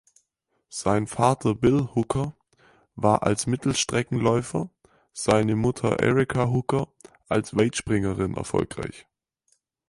Sein Vater Bill Hooker war als Mittelstreckenläufer, seine Mutter Erica Hooker als Weitspringerin erfolgreich.